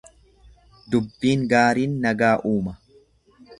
Dubbiin gaariin nagaa uuma.